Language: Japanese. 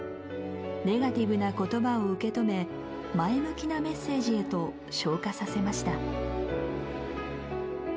ネガティブな言葉を受け止め前向きなメッセージへと昇華させました。